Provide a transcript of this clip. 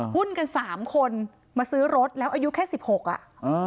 หุ้นกันสามคนมาซื้อรถแล้วอายุแค่สิบหกอ่ะ